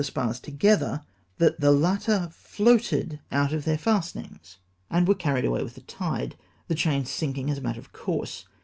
spars together, that the latter floated out of the fasten ings, and were carried away with tlie tide, the chains sinking as a matter of course.